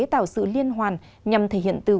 tạo sự liên hoàn nhằm thể hiện từ